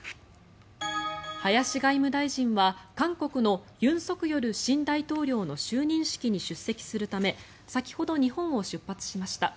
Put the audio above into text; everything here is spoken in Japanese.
林外務大臣は韓国の尹錫悦新大統領の就任式に出席するため先ほど日本を出発しました。